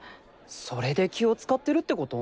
それで気を遣ってるってこと？